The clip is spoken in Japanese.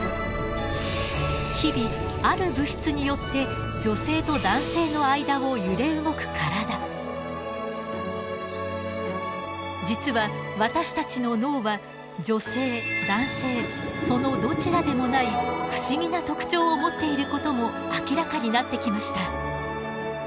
日々ある物質によって実は私たちの脳は女性男性そのどちらでもない不思議な特徴を持っていることも明らかになってきました。